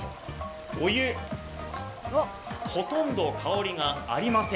お湯ほとんど香りがありません。